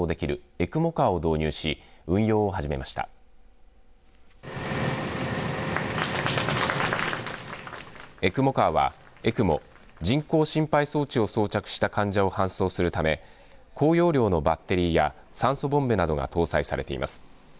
エクモカーはＥＣＭＯ＝人工心肺装置を装着した患者を搬送するため高容量のバッテリーや酸素ボンベなどが搭載されています。